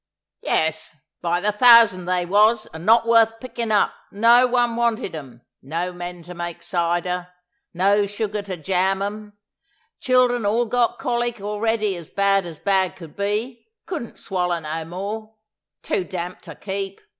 "Yes, by the thousand they was, and not wuth picking up, no one wanted 'em; no men to make cider; no sugar to jam 'em; child'un all got colic a'ready as bad as bad could be, couldn't swaller no more; too damp to keep.